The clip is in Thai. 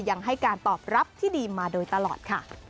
ยังให้การตอบรับที่ดีมาโดยตลอดค่ะ